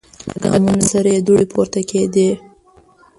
له ګامونو سره یې دوړې پورته کیدې.